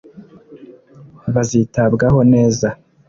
bazitabwaho neza